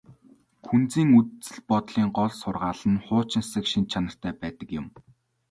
Күнзийн үзэл бодлын гол сургаал нь хуучинсаг шинж чанартай байдаг юм.